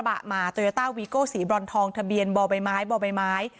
ขับกระบะมาโตยาตาวิโก้สีบรรทองทะเบียนบ่อใบไม้บ่อใบไม้